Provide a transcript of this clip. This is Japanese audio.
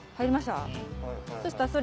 りました？